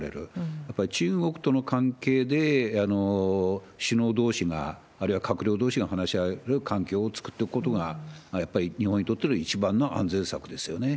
やっぱり中国との関係で、首脳どうしが、あるいは閣僚どうしが話し合える環境を作っておくことが、やっぱり日本にとっての一番の安全策ですよね。